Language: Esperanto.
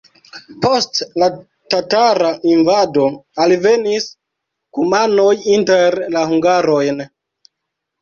Post la tatara invado alvenis kumanoj inter la hungarojn.